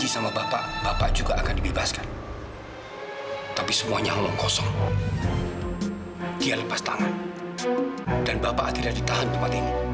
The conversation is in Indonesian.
sampai jumpa di video selanjutnya